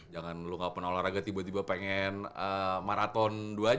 jangan lo gak pernah olahraga tiba tiba pengen maraton dua jam gitu kan